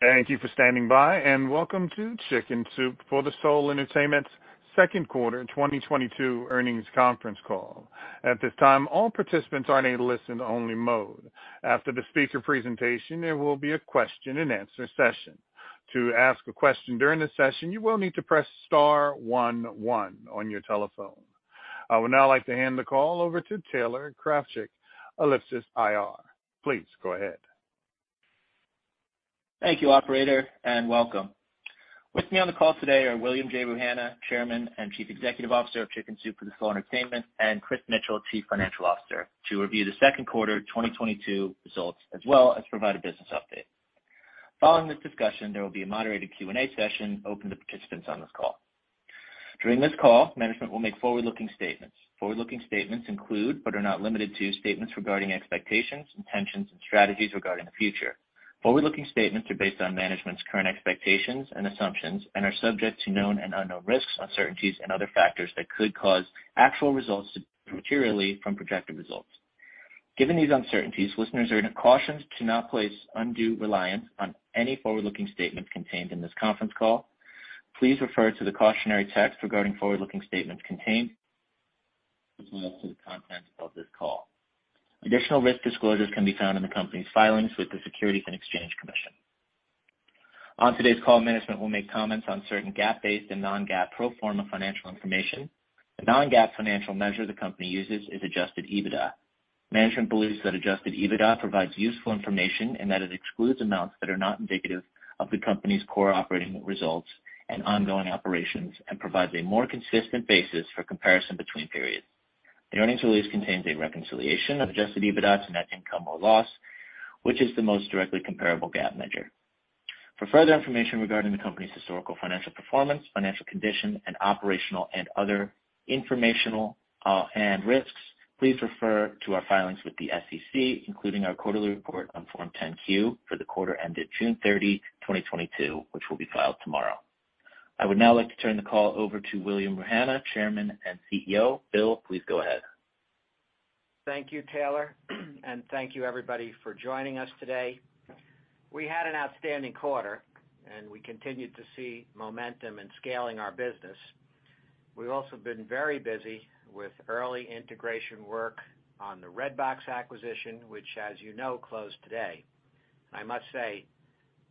Thank you for standing by, and welcome to Chicken Soup for the Soul Entertainment's Q2 2022 earnings conference call. At this time, all participants are in a listen only mode. After the speaker presentation, there will be a question and answer session. To ask a question during the session, you will need to press star one one on your telephone. I would now like to hand the call over to Taylor Krafchik, Ellipsis IR. Please go ahead. Thank you operator, and welcome. With me on the call today are William J. Rouhana, Chairman and Chief Executive Officer of Chicken Soup for the Soul Entertainment, and Chris Mitchell, Chief Financial Officer, to review the Q2 2022 results, as well as provide a business update. Following this discussion, there will be a moderated Q&A session open to participants on this call. During this call, management will make forward-looking statements. Forward-looking statements include, but are not limited to, statements regarding expectations, intentions, and strategies regarding the future. Forward-looking statements are based on management's current expectations and assumptions and are subject to known and unknown risks, uncertainties and other factors that could cause actual results to materially from projected results. Given these uncertainties, listeners are cautioned to not place undue reliance on any forward-looking statements contained in this conference call. Please refer to the cautionary text regarding forward-looking statements contained as well as to the content of this call. Additional risk disclosures can be found in the company's filings with the Securities and Exchange Commission. On today's call, management will make comments on certain GAAP-based and non-GAAP pro forma financial information. The non-GAAP financial measure the company uses is adjusted EBITDA. Management believes that adjusted EBITDA provides useful information and that it excludes amounts that are not indicative of the company's core operating results and ongoing operations and provides a more consistent basis for comparison between periods. The earnings release contains a reconciliation of adjusted EBITDA to net income or loss, which is the most directly comparable GAAP measure. For further information regarding the company's historical financial performance, financial condition, and operational and other informational and risks, please refer to our filings with the SEC, including our quarterly report on Form 10-Q for the quarter ended June 30, 2022, which will be filed tomorrow. I would now like to turn the call over to William J. Rouhana, Jr., Chairman and CEO. Bill, please go ahead. Thank you, Taylor, and thank you everybody for joining us today. We had an outstanding quarter, and we continued to see momentum in scaling our business. We've also been very busy with early integration work on the Redbox acquisition, which as you know, closed today. I must say,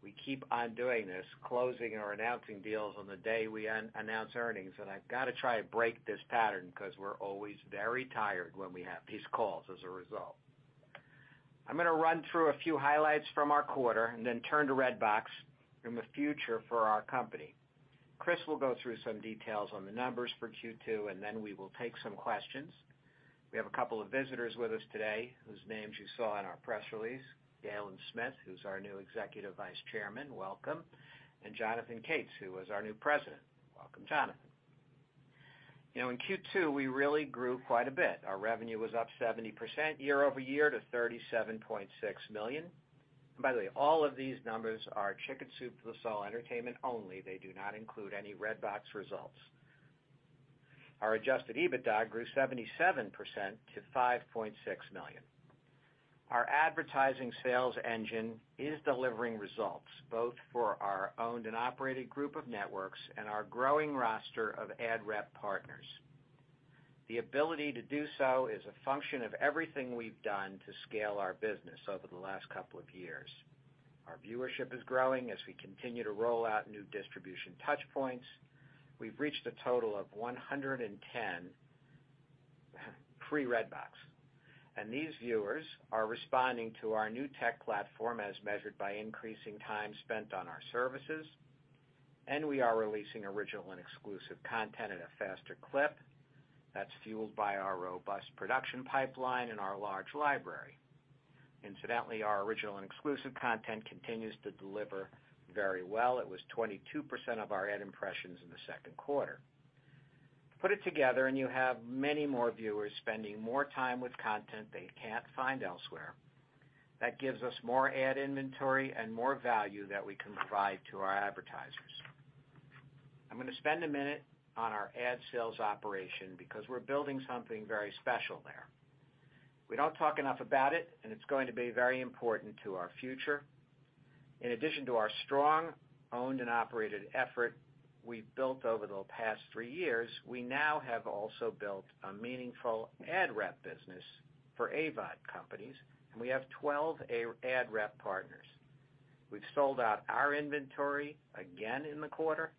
we keep on doing this, closing or announcing deals on the day we announce earnings, and I've got to try to break this pattern because we're always very tired when we have these calls as a result. I'm gonna run through a few highlights from our quarter and then turn to Redbox in the future for our company. Chris will go through some details on the numbers for Q2, and then we will take some questions. We have a couple of visitors with us today whose names you saw in our press release. Galen Smith, who's our new Executive Vice Chairman, welcome. Jonathan Katz, who is our new President. Welcome, Jonathan. You know, in Q2, we really grew quite a bit. Our revenue was up 70% year-over-year to $37.6 million. By the way, all of these numbers are Chicken Soup for the Soul Entertainment only. They do not include any Redbox results. Our adjusted EBITDA grew 77% to $5.6 million. Our advertising sales engine is delivering results both for our owned and operated group of networks and our growing roster of ad rep partners. The ability to do so is a function of everything we've done to scale our business over the last couple of years. Our viewership is growing as we continue to roll out new distribution touch points. We've reached a total of 110 pre-Redbox, and these viewers are responding to our new tech platform as measured by increasing time spent on our services, and we are releasing original and exclusive content at a faster clip that's fueled by our robust production pipeline and our large library. Incidentally, our original and exclusive content continues to deliver very well. It was 22% of our ad impressions in the Q2. Put it together, and you have many more viewers spending more time with content they can't find elsewhere. That gives us more ad inventory and more value that we can provide to our advertisers. I'm gonna spend a minute on our ad sales operation because we're building something very special there. We don't talk enough about it, and it's going to be very important to our future. In addition to our strong owned and operated effort we've built over the past three years, we now have also built a meaningful ad rep business for AVOD companies, and we have 12 ad rep partners. We've sold out our inventory again in the quarter,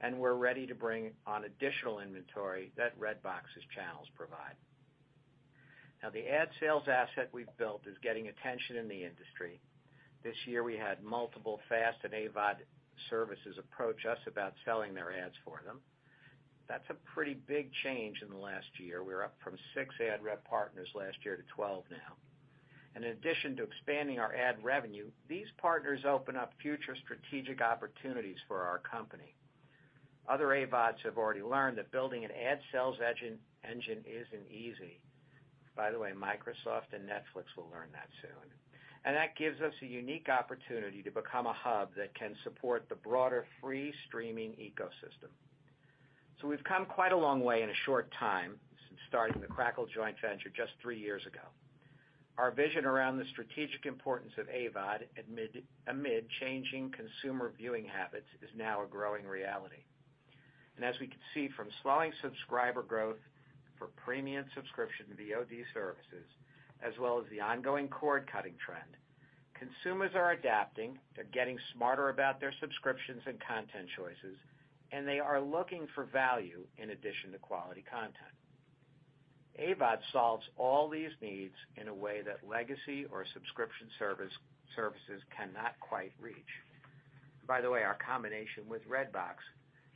and we're ready to bring on additional inventory that Redbox's channels provide. Now, the ad sales asset we've built is getting attention in the industry. This year we had multiple FAST and AVOD services approach us about selling their ads for them. That's a pretty big change in the last year. We're up from six ad rep partners last year to 12 now. In addition to expanding our ad revenue, these partners open up future strategic opportunities for our company. Other AVODs have already learned that building an ad sales engine isn't easy. By the way, Microsoft and Netflix will learn that soon. That gives us a unique opportunity to become a hub that can support the broader free streaming ecosystem. We've come quite a long way in a short time since starting the Crackle joint venture just three years ago. Our vision around the strategic importance of AVOD amid changing consumer viewing habits is now a growing reality. As we can see from slowing subscriber growth for premium subscription VOD services, as well as the ongoing cord-cutting trend, consumers are adapting, they're getting smarter about their subscriptions and content choices, and they are looking for value in addition to quality content. AVOD solves all these needs in a way that legacy or subscription services cannot quite reach. By the way, our combination with Redbox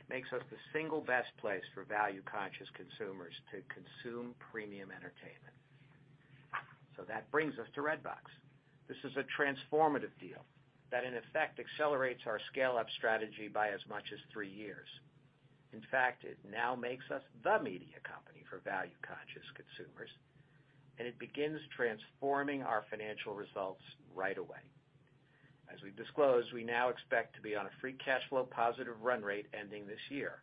makes us the single best place for value-conscious consumers to consume premium entertainment. That brings us to Redbox. This is a transformative deal that in effect accelerates our scale-up strategy by as much as three years. In fact, it now makes us the media company for value-conscious consumers, and it begins transforming our financial results right away. As we've disclosed, we now expect to be on a free cash flow positive run rate ending this year,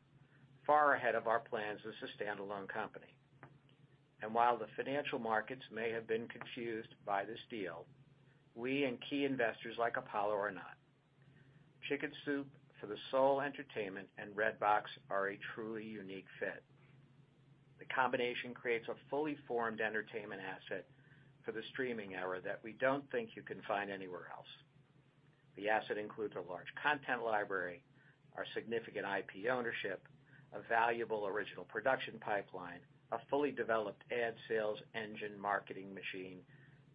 far ahead of our plans as a standalone company. While the financial markets may have been confused by this deal, we and key investors like Apollo are not. Chicken Soup for the Soul Entertainment and Redbox are a truly unique fit. The combination creates a fully formed entertainment asset for the streaming era that we don't think you can find anywhere else. The asset includes a large content library, our significant IP ownership, a valuable original production pipeline, a fully developed ad sales engine marketing machine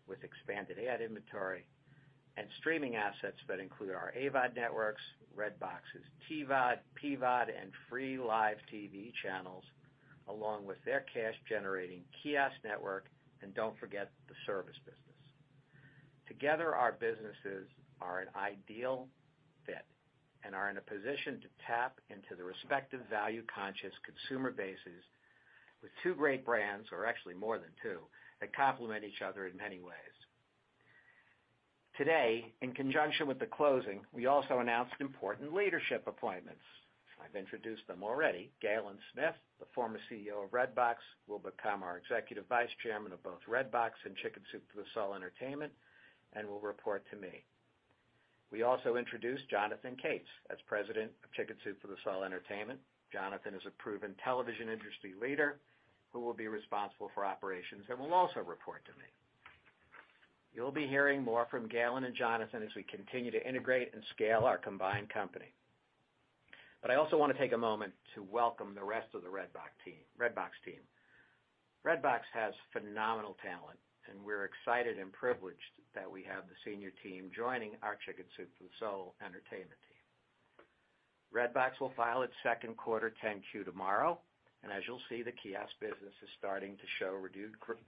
with expanded ad inventory, and streaming assets that include our AVOD networks, Redbox's TVOD, PVOD, and free live TV channels, along with their cash-generating kiosk network, and don't forget the service business. Together, our businesses are an ideal fit and are in a position to tap into the respective value-conscious consumer bases with two great brands, or actually more than two, that complement each other in many ways. Today, in conjunction with the closing, we also announced important leadership appointments. I've introduced them already. Galen Smith, the former CEO of Redbox, will become our Executive Vice Chairman of both Redbox and Chicken Soup for the Soul Entertainment and will report to me. We also introduced Jonathan Katz as President of Chicken Soup for the Soul Entertainment. Jonathan is a proven television industry leader who will be responsible for operations and will also report to me. You'll be hearing more from Galen and Jonathan as we continue to integrate and scale our combined company. I also wanna take a moment to welcome the rest of the Redbox team. Redbox has phenomenal talent, and we're excited and privileged that we have the senior team joining our Chicken Soup for the Soul Entertainment team. Redbox will file its Q2 10-Q tomorrow. As you'll see, the kiosk business is starting to show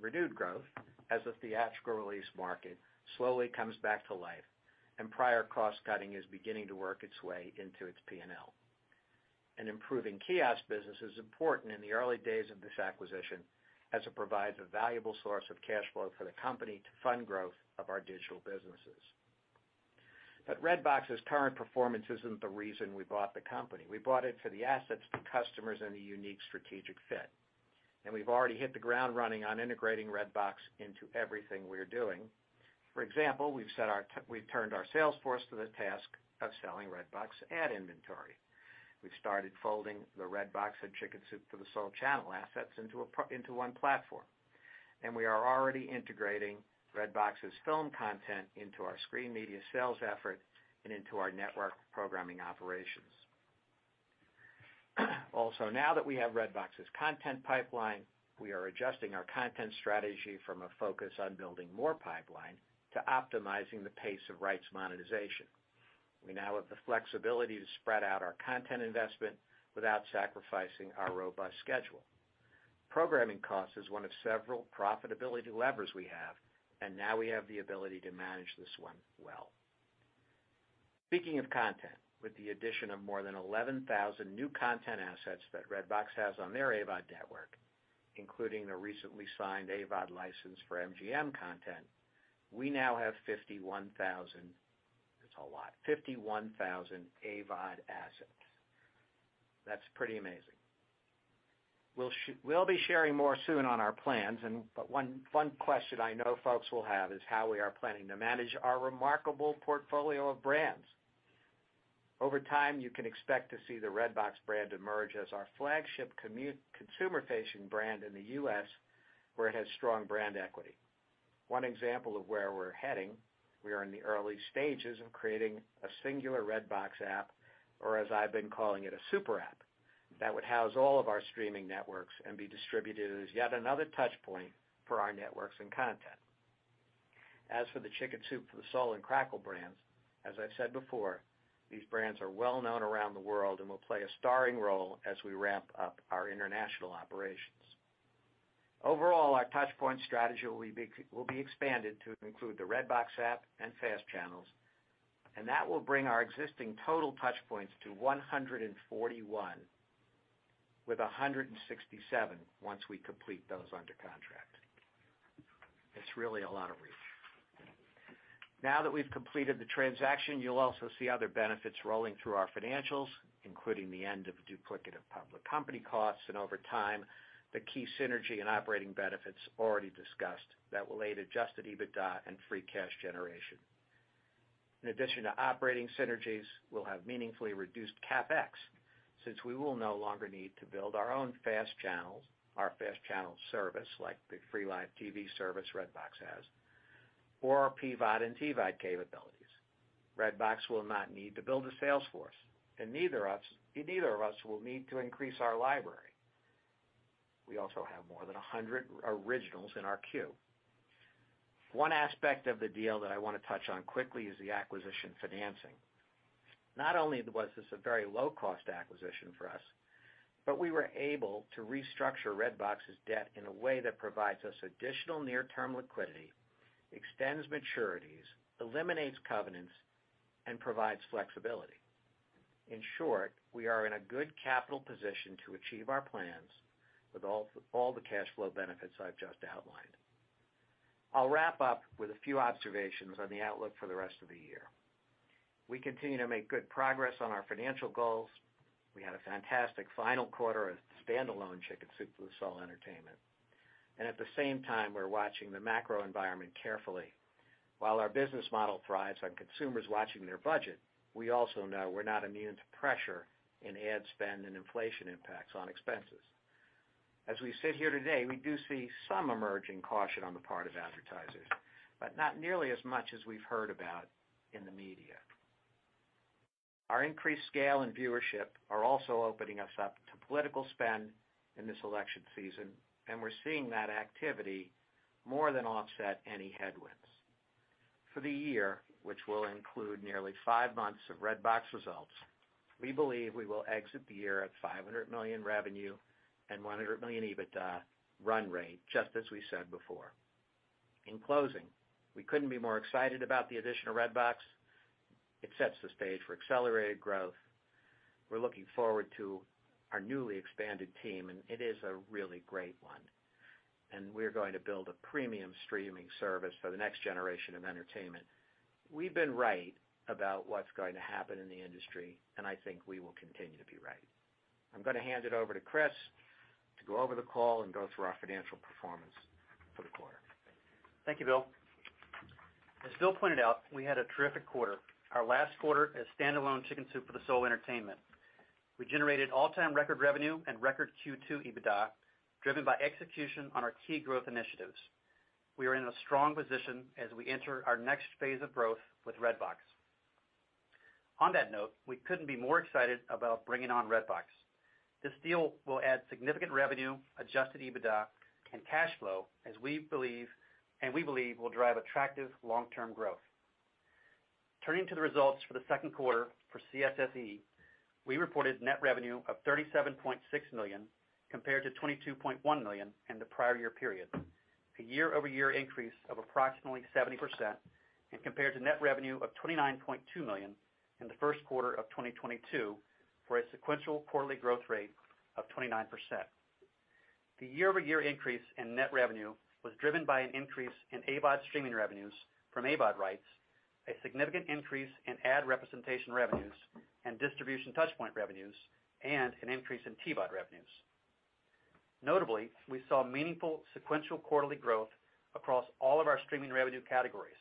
renewed growth as the theatrical release market slowly comes back to life and prior cost-cutting is beginning to work its way into its P&L. An improving kiosk business is important in the early days of this acquisition, as it provides a valuable source of cash flow for the company to fund growth of our digital businesses. Redbox's current performance isn't the reason we bought the company. We bought it for the assets, the customers and the unique strategic fit. We've already hit the ground running on integrating Redbox into everything we're doing. For example, we've turned our sales force to the task of selling Redbox ad inventory. We've started folding the Redbox and Chicken Soup for the Soul channel assets into one platform, and we are already integrating Redbox's film content into our Screen Media sales effort and into our network programming operations. Also, now that we have Redbox's content pipeline, we are adjusting our content strategy from a focus on building more pipeline to optimizing the pace of rights monetization. We now have the flexibility to spread out our content investment without sacrificing our robust schedule. Programming cost is one of several profitability levers we have, and now we have the ability to manage this one well. Speaking of content, with the addition of more than 11,000 new content assets that Redbox has on their AVOD network, including the recently signed AVOD license for MGM content, we now have 51,000, that's a lot, 51,000 AVOD assets. That's pretty amazing. We'll be sharing more soon on our plans and, but one question I know folks will have is how we are planning to manage our remarkable portfolio of brands. Over time, you can expect to see the Redbox brand emerge as our flagship consumer-facing brand in the U.S., where it has strong brand equity. One example of where we're heading, we are in the early stages of creating a singular Redbox app, or as I've been calling it, a super app, that would house all of our streaming networks and be distributed as yet another touch point for our networks and content. As for the Chicken Soup for the Soul and Crackle brands, as I've said before, these brands are well-known around the world and will play a starring role as we ramp up our international operations. Overall, our touchpoint strategy will be expanded to include the Redbox app and FAST channels, and that will bring our existing total touchpoints to 141, with 167 once we complete those under contract. It's really a lot of reach. Now that we've completed the transaction, you'll also see other benefits rolling through our financials, including the end of duplicate public company costs and over time, the key synergy and operating benefits already discussed that will aid adjusted EBITDA and free cash generation. In addition to operating synergies, we'll have meaningfully reduced CapEx since we will no longer need to build our own FAST channels, our FAST channel service like the free live TV service Redbox has, or our PVOD and TVOD capabilities. Redbox will not need to build a sales force, and neither of us will need to increase our library. We also have more than 100 originals in our queue. One aspect of the deal that I wanna touch on quickly is the acquisition financing. Not only was this a very low cost acquisition for us, but we were able to restructure Redbox's debt in a way that provides us additional near-term liquidity, extends maturities, eliminates covenants, and provides flexibility. In short, we are in a good capital position to achieve our plans with all the cash flow benefits I've just outlined. I'll wrap up with a few observations on the outlook for the rest of the year. We continue to make good progress on our financial goals. We had a fantastic final quarter as standalone Chicken Soup for the Soul Entertainment. At the same time, we're watching the macro environment carefully. While our business model thrives on consumers watching their budget, we also know we're not immune to pressure in ad spend and inflation impacts on expenses. As we sit here today, we do see some emerging caution on the part of advertisers, but not nearly as much as we've heard about in the media. Our increased scale and viewership are also opening us up to political spend in this election season, and we're seeing that activity more than offset any headwinds. For the year, which will include nearly five months of Redbox results, we believe we will exit the year at $500 million revenue and $100 million EBITDA run rate, just as we said before. In closing, we couldn't be more excited about the addition of Redbox. It sets the stage for accelerated growth. We're looking forward to our newly expanded team, and it is a really great one, and we're going to build a premium streaming service for the next generation of entertainment. We've been right about what's going to happen in the industry, and I think we will continue to be right. I'm gonna hand it over to Chris to go over the call and go through our financial performance for the quarter. Thank you, Bill. As Bill pointed out, we had a terrific quarter, our last quarter as standalone Chicken Soup for the Soul Entertainment. We generated all-time record revenue and record Q2 EBITDA, driven by execution on our key growth initiatives. We are in a strong position as we enter our next phase of growth with Redbox. On that note, we couldn't be more excited about bringing on Redbox. This deal will add significant revenue, adjusted EBITDA, and cash flow as we believe will drive attractive long-term growth. Turning to the results for the Q2 for CSSE, we reported net revenue of $37.6 million compared to $22.1 million in the prior year period. A year-over-year increase of approximately 70% and compared to net revenue of $29.2 million in the Q1 of 2022 for a sequential quarterly growth rate of 29%. The year-over-year increase in net revenue was driven by an increase in AVOD streaming revenues from AVOD rights, a significant increase in ad representation revenues and distribution touch point revenues, and an increase in TVOD revenues. Notably, we saw meaningful sequential quarterly growth across all of our streaming revenue categories,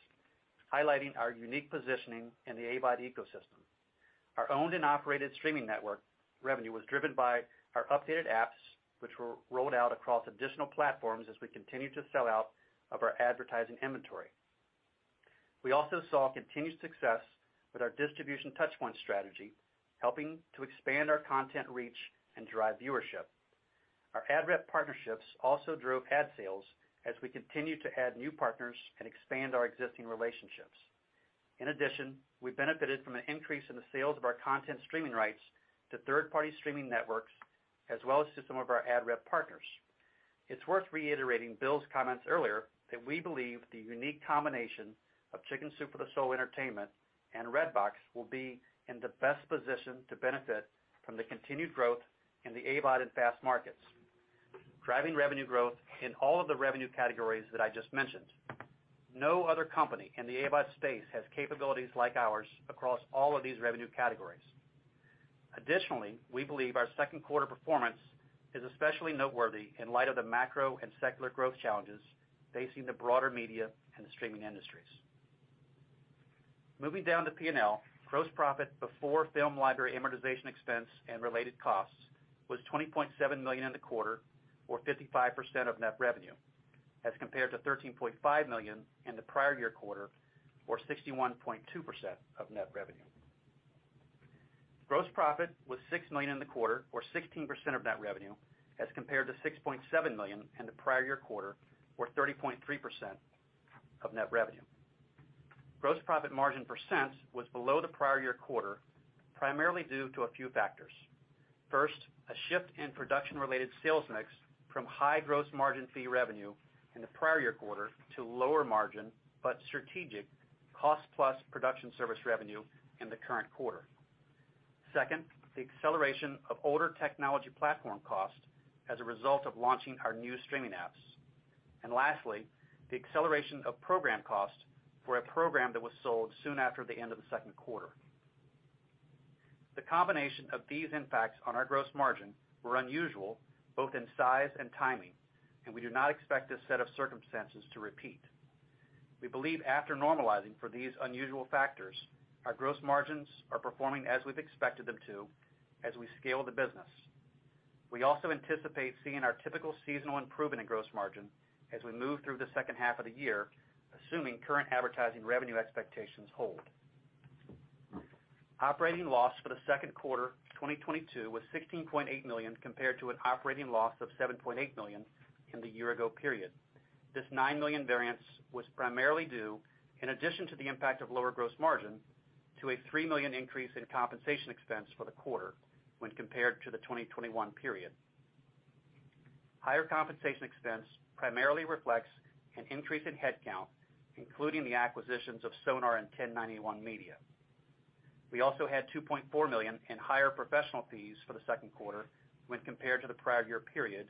highlighting our unique positioning in the AVOD ecosystem. Our owned and operated streaming network revenue was driven by our updated apps, which were rolled out across additional platforms as we continued to sell out of our advertising inventory. We also saw continued success with our distribution touch point strategy, helping to expand our content reach and drive viewership. Our ad rep partnerships also drove ad sales as we continued to add new partners and expand our existing relationships. In addition, we benefited from an increase in the sales of our content streaming rights to third-party streaming networks, as well as to some of our ad rep partners. It's worth reiterating Bill's comments earlier that we believe the unique combination of Chicken Soup for the Soul Entertainment and Redbox will be in the best position to benefit from the continued growth in the AVOD and FAST markets, driving revenue growth in all of the revenue categories that I just mentioned. No other company in the AVOD space has capabilities like ours across all of these revenue categories. Additionally, we believe our Q2 performance is especially noteworthy in light of the macro and secular growth challenges facing the broader media and the streaming industries. Moving down to P&L. Gross profit before film library amortization expense and related costs was $20.7 million in the quarter or 55% of net revenue as compared to $13.5 million in the prior year quarter, or 61.2% of net revenue. Gross profit was $6 million in the quarter or 16% of net revenue as compared to $6.7 million in the prior year quarter, or 30.3% of net revenue. Gross profit margin percent was below the prior year quarter, primarily due to a few factors. First, a shift in production-related sales mix from high gross margin fee revenue in the prior year quarter to lower margin, but strategic cost plus production service revenue in the current quarter. Second, the acceleration of older technology platform cost as a result of launching our new streaming apps. Lastly, the acceleration of program cost for a program that was sold soon after the end of the Q2. The combination of these impacts on our gross margin were unusual both in size and timing, and we do not expect this set of circumstances to repeat. We believe after normalizing for these unusual factors, our gross margins are performing as we've expected them to as we scale the business. We also anticipate seeing our typical seasonal improvement in gross margin as we move through the second half of the year, assuming current advertising revenue expectations hold. Operating loss for the Q2 2022 was $16.8 million compared to an operating loss of $7.8 million in the year ago period. This $9 million variance was primarily due, in addition to the impact of lower gross margin, to a $3 million increase in compensation expense for the quarter when compared to the 2021 period. Higher compensation expense primarily reflects an increase in headcount, including the acquisitions of Sonar and 1091 Pictures. We also had $2.4 million in higher professional fees for the Q2 when compared to the prior year period,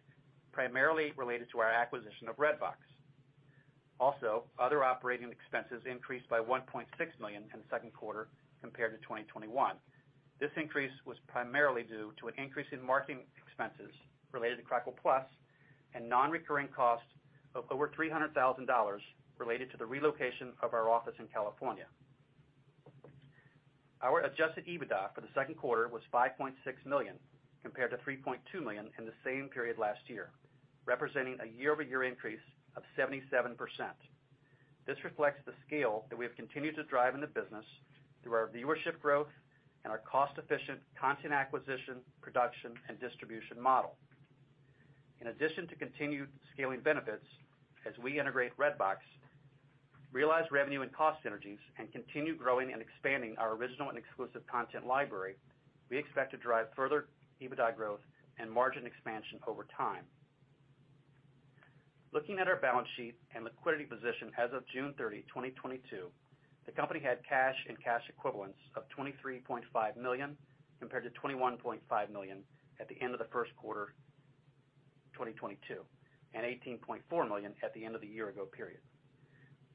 primarily related to our acquisition of Redbox. Also, other operating expenses increased by $1.6 million in the Q2 compared to 2021. This increase was primarily due to an increase in marketing expenses related to Crackle Plus and non-recurring costs of over $300,000 related to the relocation of our office in California. Our adjusted EBITDA for the Q2 was $5.6 million compared to $3.2 million in the same period last year, representing a year-over-year increase of 77%. This reflects the scale that we have continued to drive in the business through our viewership growth and our cost-efficient content acquisition, production and distribution model. In addition to continued scaling benefits as we integrate Redbox, realize revenue and cost synergies, and continue growing and expanding our original and exclusive content library, we expect to drive further EBITDA growth and margin expansion over time. Looking at our balance sheet and liquidity position as of June 30, 2022, the company had cash and cash equivalents of $23.5 million compared to $21.5 million at the end of the Q1 2022, and $18.4 million at the end of the year-ago period.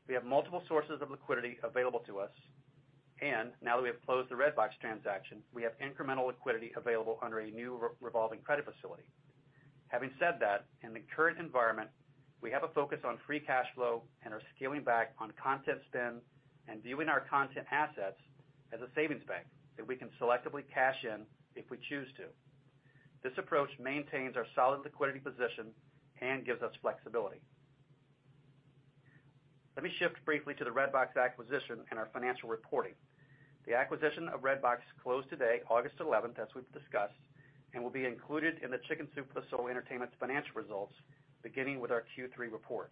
We have multiple sources of liquidity available to us, and now that we have closed the Redbox transaction, we have incremental liquidity available under a new revolving credit facility. Having said that, in the current environment, we have a focus on free cash flow and are scaling back on content spend and viewing our content assets as a savings bank that we can selectively cash in if we choose to. This approach maintains our solid liquidity position and gives us flexibility. Let me shift briefly to the Redbox acquisition and our financial reporting. The acquisition of Redbox closed today, August eleventh, as we've discussed, and will be included in the Chicken Soup for the Soul Entertainment's financial results beginning with our Q3 report.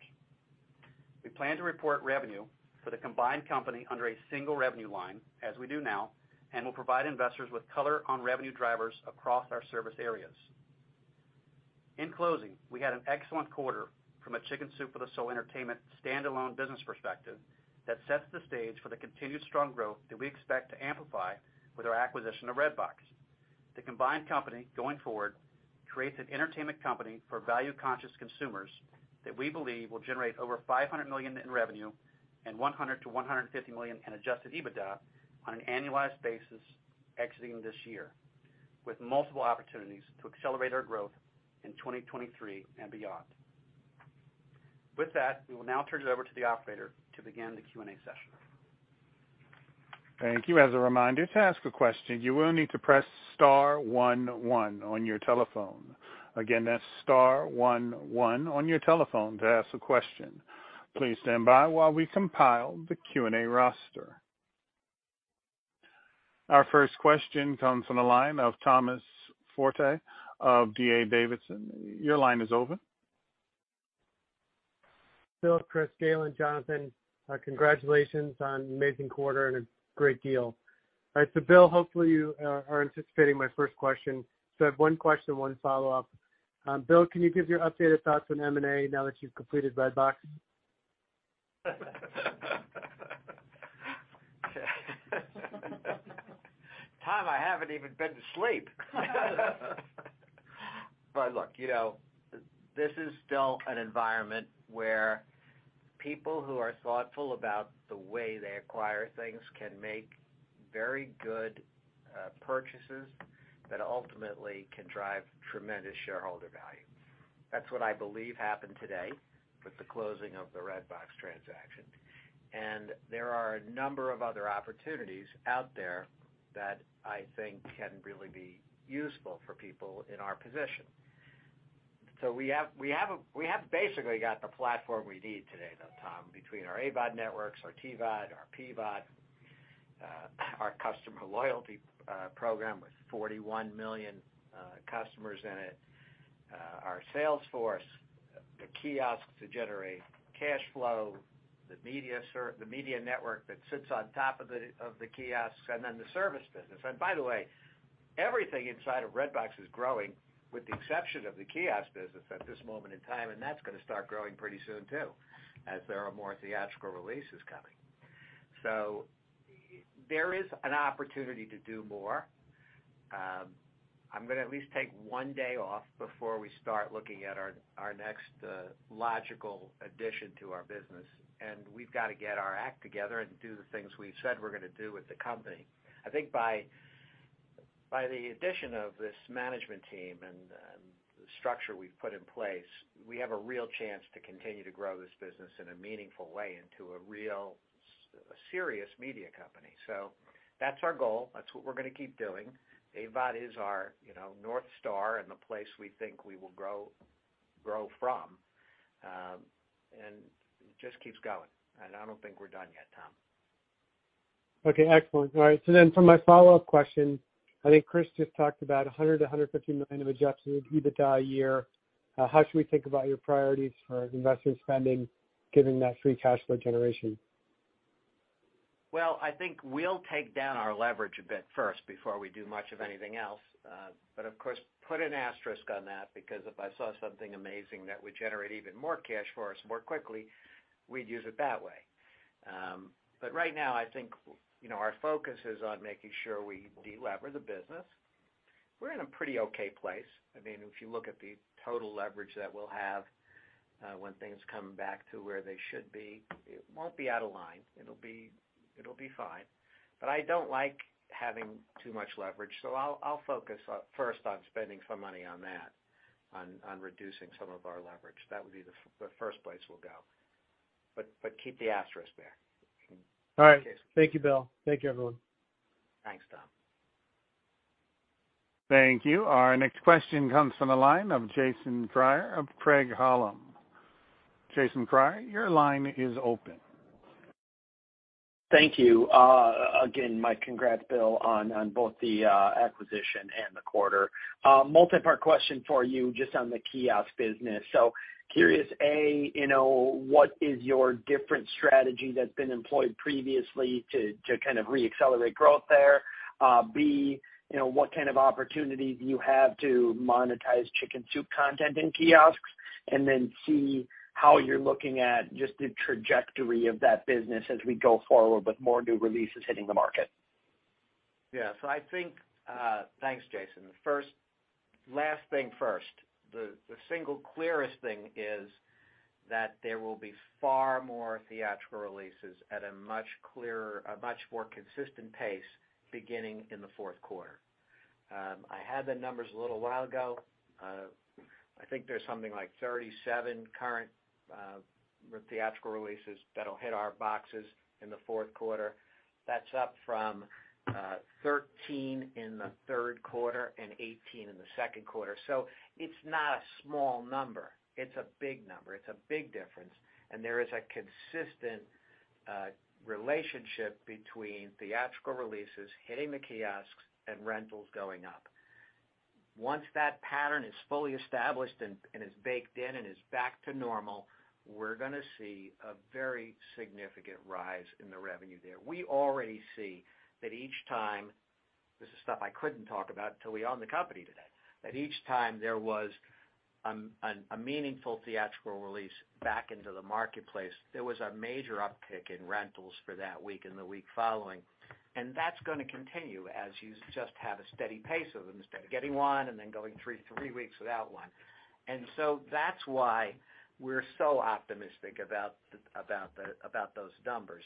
We plan to report revenue for the combined company under a single revenue line, as we do now, and will provide investors with color on revenue drivers across our service areas. In closing, we had an excellent quarter from a Chicken Soup for the Soul Entertainment standalone business perspective that sets the stage for the continued strong growth that we expect to amplify with our acquisition of Redbox. The combined company going forward creates an entertainment company for value-conscious consumers that we believe will generate over $500 million in revenue and $100-$150 million in adjusted EBITDA on an annualized basis exiting this year, with multiple opportunities to accelerate our growth in 2023 and beyond. With that, we will now turn it over to the operator to begin the Q&A session. Thank you. As a reminder, to ask a question, you will need to press star one one on your telephone. Again, that's star one one on your telephone to ask a question. Please stand by while we compile the Q&A roster. Our first question comes from the line of Thomas Forte of D.A. Davidson. Your line is open. Bill, Chris, Galen, Jonathan, congratulations on an amazing quarter and a great deal. All right, Bill, hopefully you are anticipating my first question. I have one question, one follow-up. Bill, can you give your updated thoughts on M&A now that you've completed Redbox? Tom, I haven't even been to sleep. Look, you know, this is still an environment where people who are thoughtful about the way they acquire things can make very good purchases that ultimately can drive tremendous shareholder value. That's what I believe happened today with the closing of the Redbox transaction. There are a number of other opportunities out there that I think can really be useful for people in our position. We have basically got the platform we need today, though, Tom, between our AVOD networks, our TVOD, our PVOD, our customer loyalty program with 41 million customers in it, our sales force, the kiosks to generate cash flow, the media network that sits on top of the kiosks, and then the service business. By the way, everything inside of Redbox is growing, with the exception of the kiosk business at this moment in time, and that's gonna start growing pretty soon too as there are more theatrical releases coming. There is an opportunity to do more. I'm gonna at least take one day off before we start looking at our next logical addition to our business. We've gotta get our act together and do the things we said we're gonna do with the company. I think by the addition of this management team and the structure we've put in place, we have a real chance to continue to grow this business in a meaningful way into a real serious media company. That's our goal. That's what we're gonna keep doing. AVOD is our you know North Star and the place we think we will grow from, and it just keeps going. I don't think we're done yet, Tom. Okay, excellent. All right. For my follow-up question, I think Chris just talked about $100 million-$150 million of adjusted EBITDA a year. How should we think about your priorities for investor spending, given that free cash flow generation? Well, I think we'll take down our leverage a bit first before we do much of anything else. Of course, put an asterisk on that because if I saw something amazing that would generate even more cash for us more quickly, we'd use it that way. Right now, I think, you know, our focus is on making sure we de-lever the business. We're in a pretty okay place. I mean, if you look at the total leverage that we'll have, when things come back to where they should be, it won't be out of line. It'll be fine. I don't like having too much leverage, so I'll focus first on spending some money on that, on reducing some of our leverage. That would be the first place we'll go. Keep the asterisk there. All right. Thank you, Bill. Thank you, everyone. Thanks, Tom. Thank you. Our next question comes from the line of Jason Kreyer of Craig-Hallum. Jason Kreyer, your line is open. Thank you. Again, my congrats, Bill, on both the acquisition and the quarter. Multipart question for you just on the kiosk business. Curious, A, you know, what is your different strategy that's been employed previously to kind of re-accelerate growth there? B, you know, what kind of opportunities you have to monetize Chicken Soup content in kiosks? Then, C, how you're looking at just the trajectory of that business as we go forward with more new releases hitting the market. Yeah. I think, Thanks, Jason. First, last thing first, the single clearest thing is that there will be far more theatrical releases at a much more consistent pace beginning in the Q4. I had the numbers a little while ago. I think there's something like 37 current theatrical releases that'll hit our boxes in the Q4. That's up from 13 in the Q3 and 18 in the Q2. It's not a small number. It's a big number. It's a big difference. There is a consistent relationship between theatrical releases hitting the kiosks and rentals going up. Once that pattern is fully established and is baked in and is back to normal, we're gonna see a very significant rise in the revenue there. We already see that each time, this is stuff I couldn't talk about till we own the company today, that each time there was a meaningful theatrical release back into the marketplace, there was a major uptick in rentals for that week and the week following. That's gonna continue as you just have a steady pace of them instead of getting one and then going three weeks without one. That's why we're so optimistic about those numbers.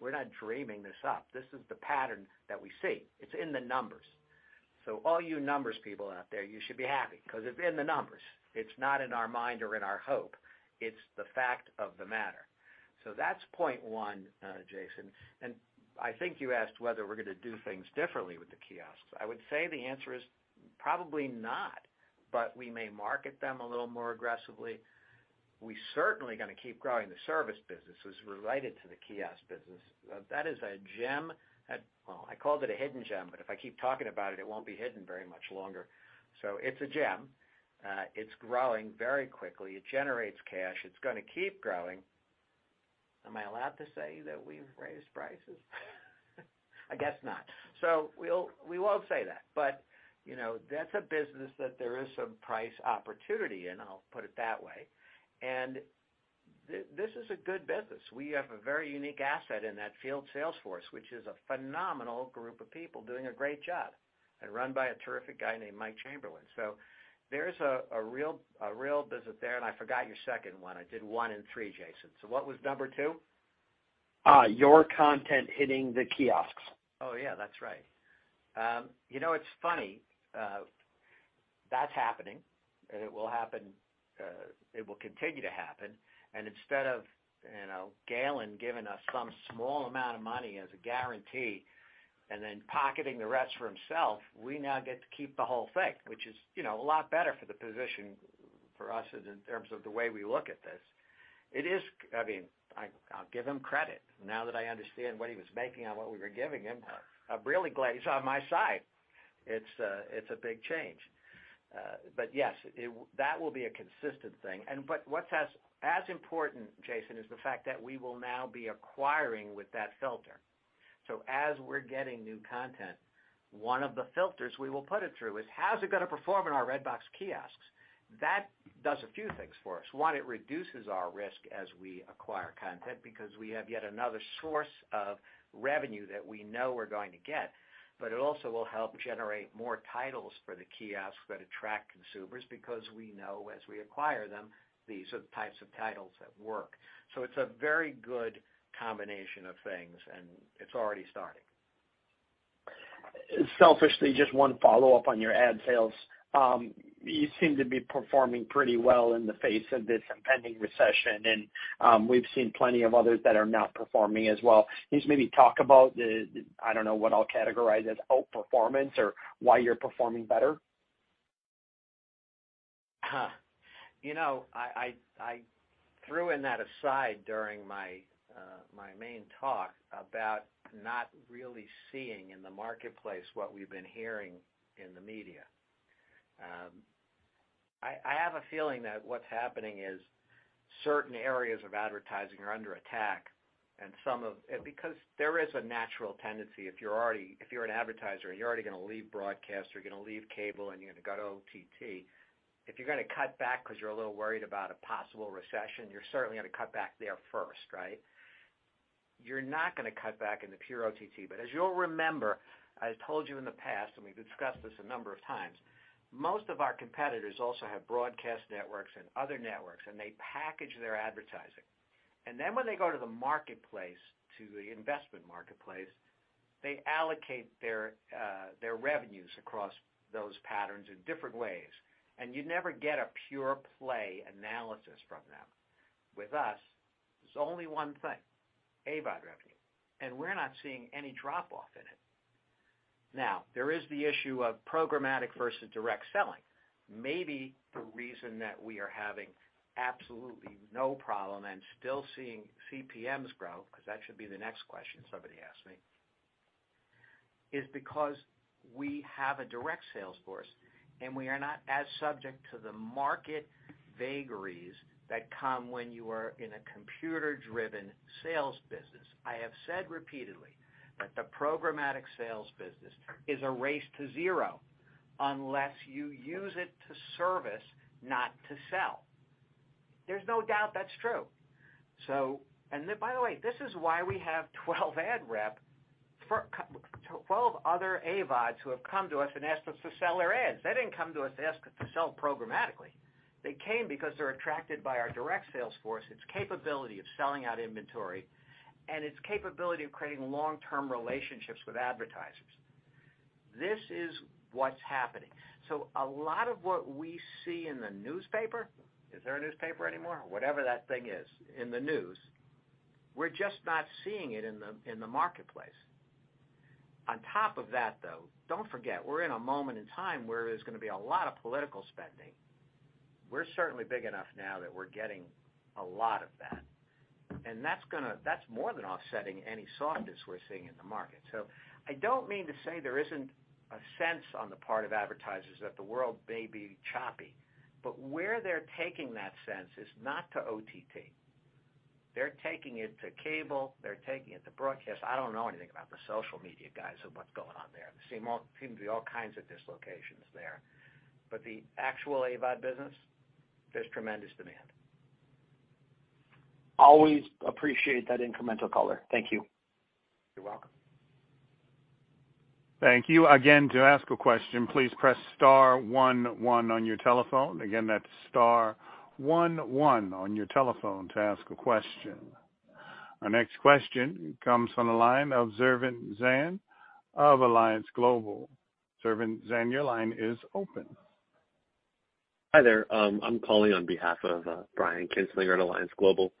We're not dreaming this up. This is the pattern that we see. It's in the numbers. All you numbers people out there, you should be happy 'cause it's in the numbers. It's not in our mind or in our hope. It's the fact of the matter. That's point one, Jason. I think you asked whether we're gonna do things differently with the kiosks. I would say the answer is probably not, but we may market them a little more aggressively. We certainly gonna keep growing the service businesses related to the kiosk business. That is a gem. Well, I called it a hidden gem, but if I keep talking about it won't be hidden very much longer. It's a gem. It's growing very quickly. It generates cash. It's gonna keep growing. Am I allowed to say that we've raised prices? I guess not. We'll, we won't say that. But, you know, that's a business that there is some price opportunity, and I'll put it that way. This is a good business. We have a very unique asset in that field sales force, which is a phenomenal group of people doing a great job and run by a terrific guy named Michael Chamberlain. There's a real business there, and I forgot your second one. I did one and three, Jason. What was number two? Your content hitting the kiosks. Oh, yeah. That's right. You know, it's funny, that's happening, and it will happen, it will continue to happen. Instead of, you know, Galen giving us some small amount of money as a guarantee and then pocketing the rest for himself, we now get to keep the whole thing, which is, you know, a lot better for the position for us in terms of the way we look at this. It is. I mean, I'll give him credit. Now that I understand what he was making on what we were giving him, I'm really glad he's on my side. It's a big change. Yes, that will be a consistent thing. What's as important, Jason, is the fact that we will now be acquiring with that filter. As we're getting new content, one of the filters we will put it through is, how is it gonna perform in our Redbox kiosks? That does a few things for us. One, it reduces our risk as we acquire content because we have yet another source of revenue that we know we're going to get. It also will help generate more titles for the kiosk that attract consumers because we know as we acquire them, these are the types of titles that work. It's a very good combination of things, and it's already starting. Selfishly, just one follow-up on your ad sales. You seem to be performing pretty well in the face of this impending recession, and we've seen plenty of others that are not performing as well. Can you just maybe talk about I don't know what I'll categorize as outperformance or why you're performing better? You know, I threw in that aside during my main talk about not really seeing in the marketplace what we've been hearing in the media. I have a feeling that what's happening is certain areas of advertising are under attack. Because there is a natural tendency, if you're an advertiser and you're already gonna leave broadcast or you're gonna leave cable and you're gonna go to OTT, if you're gonna cut back 'cause you're a little worried about a possible recession, you're certainly gonna cut back there first, right? You're not gonna cut back in the pure OTT. As you'll remember, I told you in the past, and we've discussed this a number of times, most of our competitors also have broadcast networks and other networks, and they package their advertising. Then when they go to the marketplace, to the investment marketplace, they allocate their revenues across those patterns in different ways. You never get a pure play analysis from them. With us, there's only one thing, AVOD revenue, and we're not seeing any drop-off in it. Now, there is the issue of programmatic versus direct selling. Maybe the reason that we are having absolutely no problem and still seeing CPMs grow, because that should be the next question somebody asks me, is because we have a direct sales force, and we are not as subject to the market vagaries that come when you are in a computer-driven sales business. I have said repeatedly that the programmatic sales business is a race to zero unless you use it to service, not to sell. There's no doubt that's true. So By the way, this is why we have 12 other AVODs who have come to us and asked us to sell their ads. They didn't come to us to ask us to sell programmatically. They came because they're attracted by our direct sales force, its capability of selling out inventory, and its capability of creating long-term relationships with advertisers. This is what's happening. A lot of what we see in the newspaper, is there a newspaper anymore? Whatever that thing is, in the news, we're just not seeing it in the marketplace. On top of that, though, don't forget we're in a moment in time where there's gonna be a lot of political spending. We're certainly big enough now that we're getting a lot of that, and that's more than offsetting any softness we're seeing in the market. I don't mean to say there isn't a sense on the part of advertisers that the world may be choppy, but where they're taking that sense is not to OTT. They're taking it to cable. They're taking it to broadcast. I don't know anything about the social media guys or what's going on there. Seem to be all kinds of dislocations there. The actual AVOD business, there's tremendous demand. Always appreciate that incremental color. Thank you. You're welcome. Thank you. Again, to ask a question, please press star one one on your telephone. Again, that's star one one on your telephone to ask a question. Our next question comes from the line of Steven Zan of Alliance Global Partners. Steven Zan, your line is open. Hi there. I'm calling on behalf of Brian Kinstlinger at Alliance Global.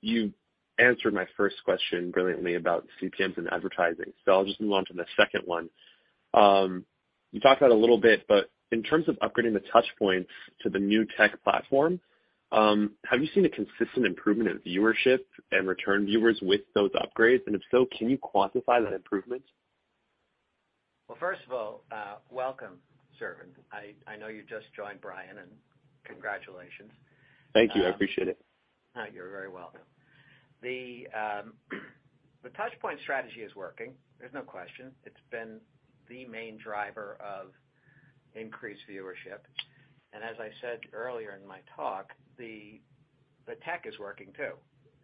You answered my first question brilliantly about CPMs and advertising, so I'll just move on to the second one. You talked about it a little bit, but in terms of upgrading the touchpoints to the new tech platform, have you seen a consistent improvement in viewership and return viewers with those upgrades? And if so, can you quantify that improvement? Well, first of all, welcome, Steven. I know you just joined Brian, and congratulations. Thank you. I appreciate it. You're very welcome. The touchpoint strategy is working. There's no question. It's been the main driver of increased viewership. As I said earlier in my talk, the tech is working too,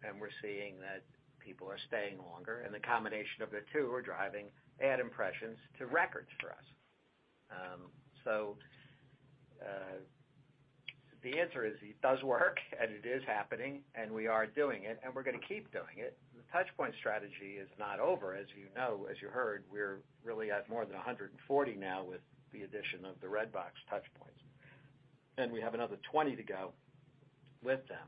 and we're seeing that people are staying longer, and the combination of the two are driving ad impressions to records for us. The answer is, it does work, and it is happening, and we are doing it, and we're gonna keep doing it. The touchpoint strategy is not over. As you know, as you heard, we're really at more than 140 now with the addition of the Redbox touchpoints, and we have another 20 to go with them.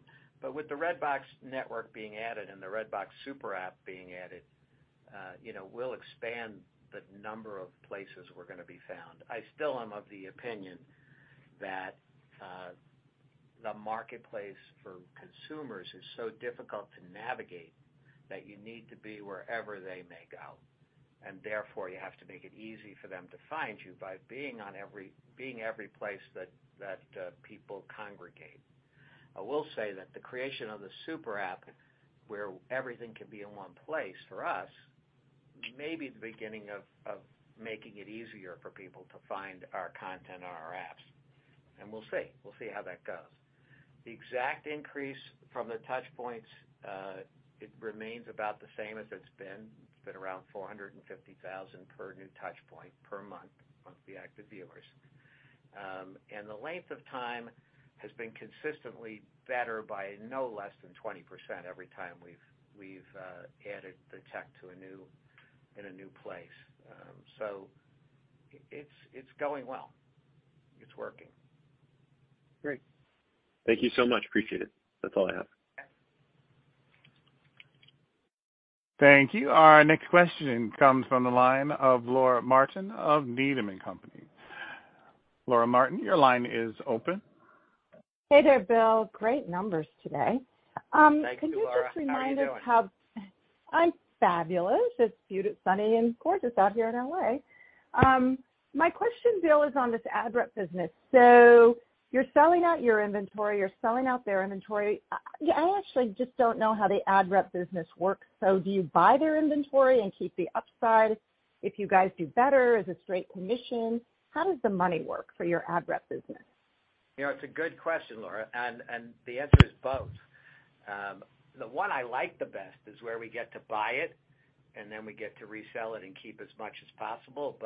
With the Redbox network being added and the Redbox super app being added, you know, we'll expand the number of places we're gonna be found. I still am of the opinion that the marketplace for consumers is so difficult to navigate, that you need to be wherever they may go. Therefore, you have to make it easy for them to find you by being every place that people congregate. I will say that the creation of the super app, where everything can be in one place for us. Maybe the beginning of making it easier for people to find our content on our apps. We'll see how that goes. The exact increase from the touch points, it remains about the same as it's been. It's been around 450,000 per new touch point per month of the active viewers. The length of time has been consistently better by no less than 20% every time we've added the tech to a new place. It's going well. It's working. Great. Thank you so much. Appreciate it. That's all I have. Yeah. Thank you. Our next question comes from the line of Laura Martin of Needham & Company. Laura Martin, your line is open. Hey there, Bill. Great numbers today. Thanks, Laura. How are you doing? I'm fabulous. It's beautiful, sunny and gorgeous out here in L.A. My question, Bill, is on this ad rep business. You're selling out your inventory, you're selling out their inventory. Yeah, I actually just don't know how the ad rep business works. Do you buy their inventory and keep the upside? If you guys do better, is it straight commission? How does the money work for your ad rep business? You know, it's a good question, Laura, and the answer is both. The one I like the best is where we get to buy it, and then we get to resell it and keep as much as possible.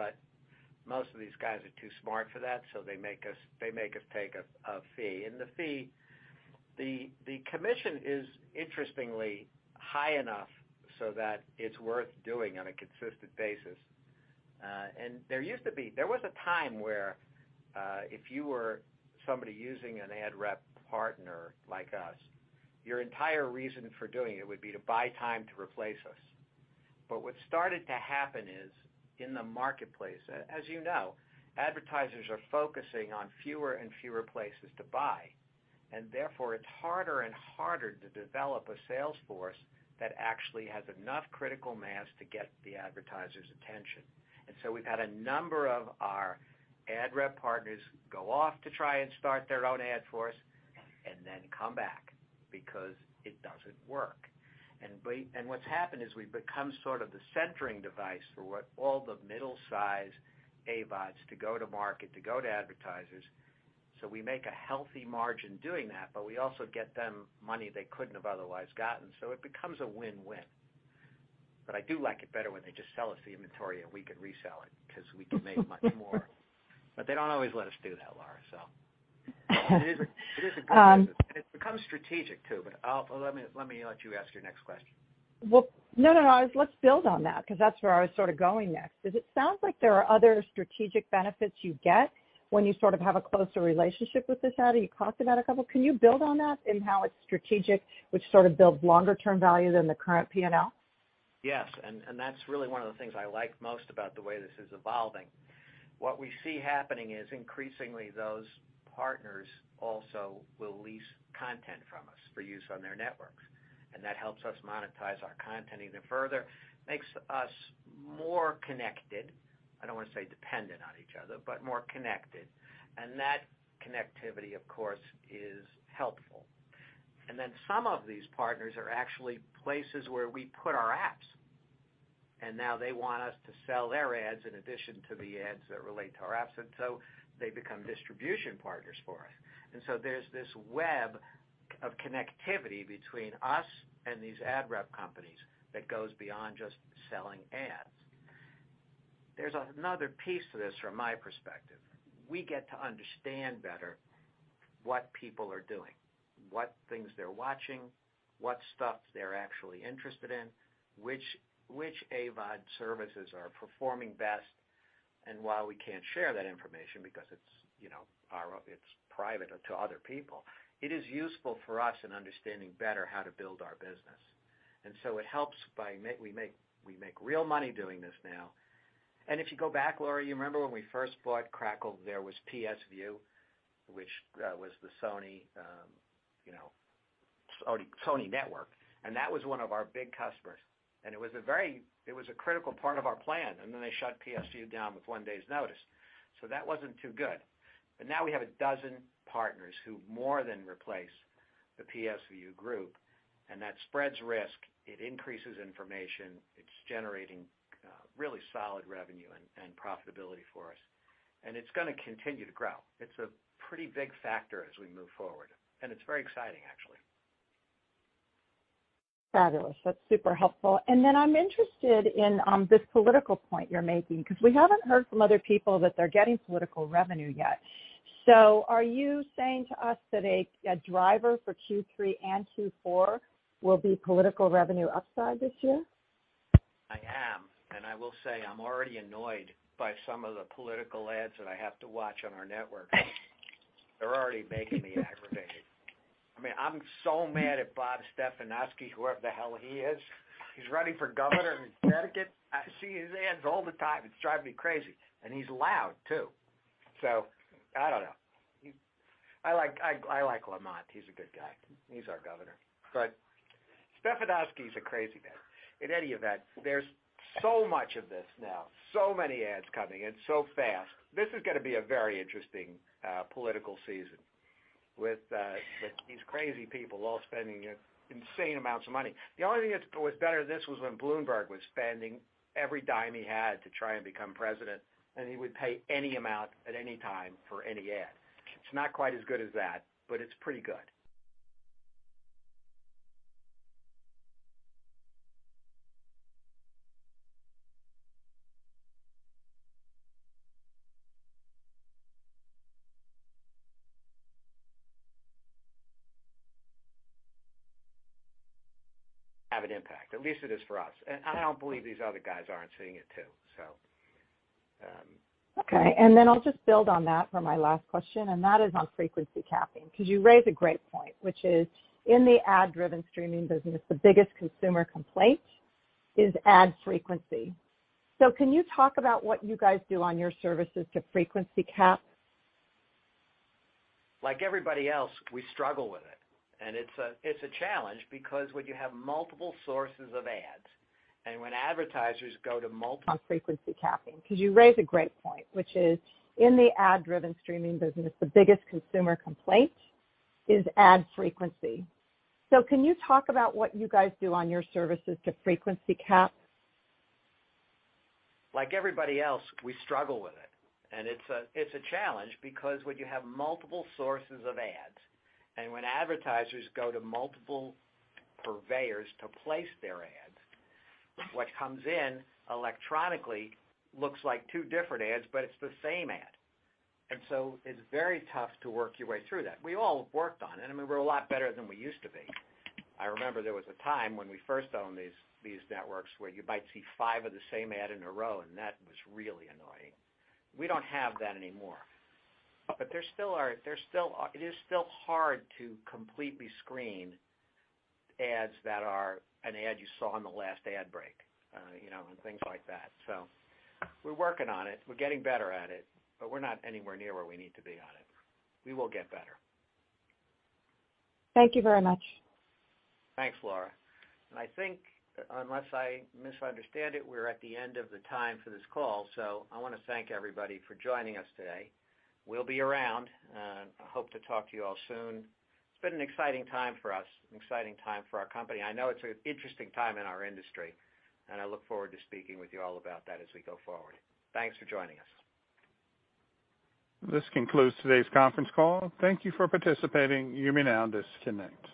Most of these guys are too smart for that, so they make us take a fee. The fee, the commission is interestingly high enough so that it's worth doing on a consistent basis. There was a time where if you were somebody using an ad rep partner like us, your entire reason for doing it would be to buy time to replace us. What started to happen is, in the marketplace, as you know, advertisers are focusing on fewer and fewer places to buy, and therefore it's harder and harder to develop a sales force that actually has enough critical mass to get the advertisers' attention. We've had a number of our ad rep partners go off to try and start their own ad force and then come back because it doesn't work. What's happened is we've become sort of the centering device for what all the middle size AVODs to go to market, to go to advertisers. We make a healthy margin doing that, but we also get them money they couldn't have otherwise gotten. It becomes a win-win. I do like it better when they just sell us the inventory and we can resell it because we can make much more. They don't always let us do that, Laura, so. It is a good business, and it's become strategic too. I'll let me let you ask your next question. Well, no, no. Let's build on that because that's where I was sort of going next. Because it sounds like there are other strategic benefits you get when you sort of have a closer relationship with this ad, or you talked about a couple. Can you build on that in how it's strategic, which sort of builds longer term value than the current P&L? Yes. That's really one of the things I like most about the way this is evolving. What we see happening is increasingly those partners also will lease content from us for use on their networks, and that helps us monetize our content even further, makes us more connected. I don't want to say dependent on each other, but more connected. That connectivity, of course, is helpful. Then some of these partners are actually places where we put our apps, and now they want us to sell their ads in addition to the ads that relate to our apps. They become distribution partners for us. There's this web of connectivity between us and these ad rep companies that goes beyond just selling ads. There's another piece to this from my perspective. We get to understand better what people are doing, what things they're watching, what stuff they're actually interested in, which AVOD services are performing best. While we can't share that information because it's, you know, our, it's private to other people, it is useful for us in understanding better how to build our business. It helps. We make real money doing this now. If you go back, Laura, you remember when we first bought Crackle, there was PlayStation Vue, which was the Sony network, and that was one of our big customers. It was a critical part of our plan, and then they shut PlayStation Vue down with one day's notice. That wasn't too good. Now we have a dozen partners who more than replace the PlayStation Vue group, and that spreads risk, it increases information, it's generating really solid revenue and profitability for us. It's gonna continue to grow. It's a pretty big factor as we move forward, and it's very exciting, actually. Fabulous. That's super helpful. I'm interested in this political point you're making because we haven't heard from other people that they're getting political revenue yet. Are you saying to us that a driver for Q3 and Q4 will be political revenue upside this year? I am. I will say I'm already annoyed by some of the political ads that I have to watch on our network. They're already making me aggravated. I mean, I'm so mad at Bob Stefanowski, whoever the hell he is. He's running for governor in Connecticut. I see his ads all the time. It's driving me crazy. He's loud, too. I don't know. I like Lamont. He's a good guy. He's our governor. Stefanowski is a crazy man. In any event, there's so much of this now, so many ads coming in so fast. This is gonna be a very interesting political season. With these crazy people all spending insane amounts of money. The only thing that was better than this was when Bloomberg was spending every dime he had to try and become president, and he would pay any amount at any time for any ad. It's not quite as good as that, but it's pretty good. Have an impact, at least it is for us. I don't believe these other guys aren't seeing it too. Okay. Then I'll just build on that for my last question, and that is on frequency capping, 'cause you raise a great point, which is in the ad-driven streaming business, the biggest consumer complaint is ad frequency. Can you talk about what you guys do on your services to frequency cap? Like everybody else, we struggle with it. It's a challenge because when you have multiple sources of ads, and when advertisers go to multiple- On frequency capping, 'cause you raise a great point, which is in the ad-driven streaming business, the biggest consumer complaint is ad frequency. So can you talk about what you guys do on your services to frequency cap? Like everybody else, we struggle with it. It's a challenge because when you have multiple sources of ads, and when advertisers go to multiple purveyors to place their ads, what comes in electronically looks like two different ads, but it's the same ad. It's very tough to work your way through that. We all worked on it, and we're a lot better than we used to be. I remember there was a time when we first owned these networks where you might see five of the same ad in a row, and that was really annoying. We don't have that anymore. There still are. It is still hard to completely screen ads that are an ad you saw in the last ad break, you know, and things like that. We're working on it. We're getting better at it, but we're not anywhere near where we need to be on it. We will get better. Thank you very much. Thanks, Laura. I think, unless I misunderstand it, we're at the end of the time for this call. I wanna thank everybody for joining us today. We'll be around. I hope to talk to you all soon. It's been an exciting time for us, an exciting time for our company. I know it's an interesting time in our industry, and I look forward to speaking with you all about that as we go forward. Thanks for joining us. This concludes today's conference call. Thank you for participating. You may now disconnect.